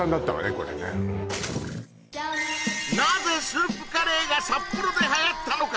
これねなぜスープカレーが札幌ではやったのか？